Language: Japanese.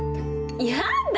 やだ